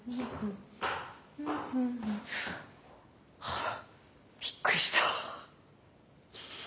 あっびっくりした。